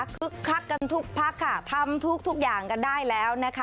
คึกคักกันทุกภักดิ์ค่ะทำทุกทุกอย่างกันได้แล้วนะคะ